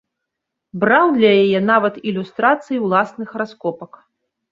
Браў для яе нават ілюстрацыі ўласных раскопак.